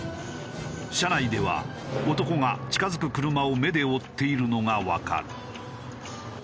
車内では男が近づく車を目で追っているのがわかる。